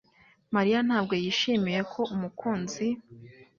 Mariya ntabwo yishimiye ko umukunzi